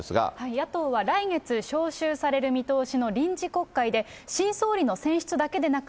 野党は来月召集される見通しの臨時国会で、新総理の選出だけでなく、